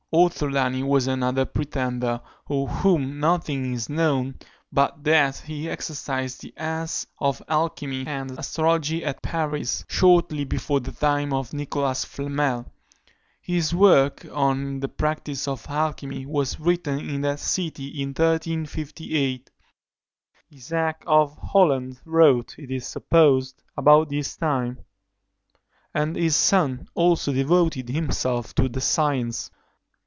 Ortholani was another pretender, of whom nothing is known, but that he exercised the arts of alchymy and astrology at Paris, shortly before the time of Nicholas Flamel. His work on the practice of alchymy was written in that city in 1358. Isaac of Holland wrote, it is supposed, about this time; and his son also devoted himself to the science.